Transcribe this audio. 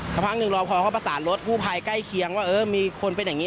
สักพักหนึ่งรอพอเขาประสานรถกู้ภัยใกล้เคียงว่าเออมีคนเป็นอย่างนี้